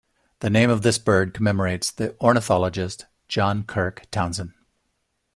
The name of this bird commemorates the ornithologist John Kirk Townsend.